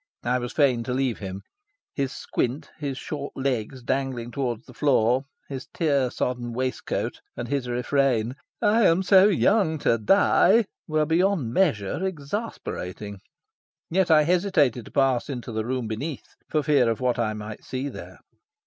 I was fain to leave him. His squint, his short legs dangling towards the floor, his tear sodden waistcoat, and his refrain "I am so young to die," were beyond measure exasperating. Yet I hesitated to pass into the room beneath, for fear of what I might see there.